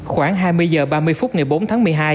khoảng hai mươi h ba mươi phút ngày bốn tháng một mươi hai